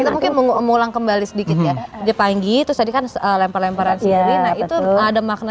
mungkin mengulang kembali sedikit ya dia panggil itu sedihkan lempar lemparan siulinah itu ada makna